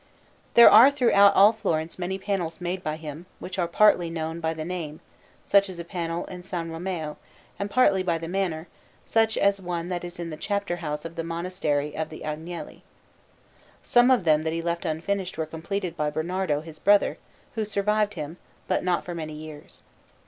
There are throughout all Florence many panels made by him, which are partly known by the name, such as a panel in S. Romeo, and partly by the manner, such as one that is in the Chapter house of the Monastery of the Angeli. Some of them that he left unfinished were completed by Bernardo, his brother, who survived him, but not for many years.